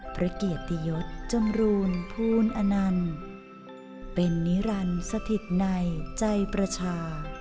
ประเกียรติยศจมรูลพูนอนันต์เป็นนิรรณสถิตในใจประชา